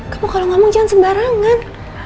kamu kalau ngomong jangan sembarangan